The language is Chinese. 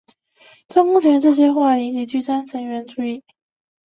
张公权的这些话引起聚餐成员的注意。